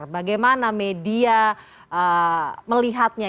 bagaimana media melihatnya